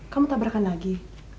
kamu tabrakan lagi